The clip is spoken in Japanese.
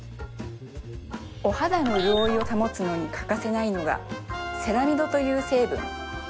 お肌の潤いを保つのに欠かせないのがセラミドという成分